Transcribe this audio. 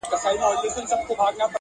خو حل نه شته